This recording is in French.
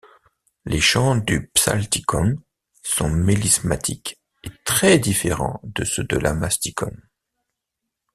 Les chants du psaltikon sont mélismatiques et très différents de ceux de l'amastikon.